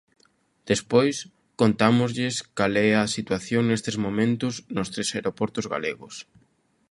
Despois, contámoslles cal é a situación nestes momentos nos tres aeroportos galegos.